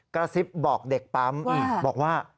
กระซิบบอกเด็กปั๊มบอกว่า